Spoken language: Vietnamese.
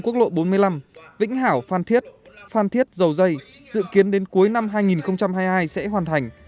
ba dự án thành phần myson quốc lộ bốn mươi năm vĩnh hảo phan thiết phan thiết dầu dây dự kiến đến cuối năm hai nghìn hai mươi hai sẽ hoàn thành